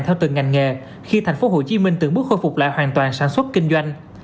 theo từng ngành nghề khi tp hcm từng bước khôi phục lại hoàn toàn sản xuất kinh doanh